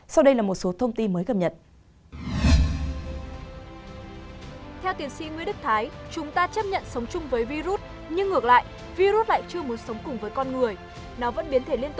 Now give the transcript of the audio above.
sau đây là một số thông tin mới cập nhật